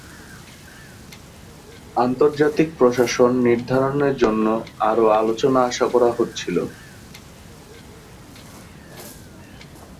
আন্তর্জাতিক প্রশাসন নির্ধারণের জন্য আরো আলোচনা আশা করা হচ্ছিল।